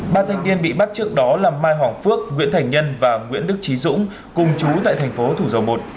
ba thanh niên bị bắt trước đó là mai hoàng phước nguyễn thành nhân và nguyễn đức trí dũng cùng chú tại thành phố thủ dầu một